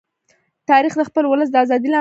تاریخ د خپل ولس د ازادۍ لامل دی.